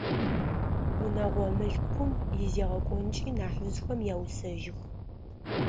Унэгъо мылъкум изегъэкӏонкӏи нахьыжъхэм яусэжьых.